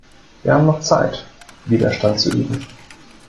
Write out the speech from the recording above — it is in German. Wir haben noch Zeit, Widerstand zu üben.